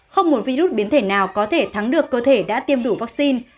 không một virus biến thể nào có thể thắng được cơ thể đã tiêm đủ vaccine